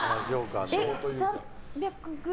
３００ｇ。